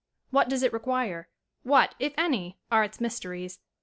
What does it require? What, if any, are its mysteries?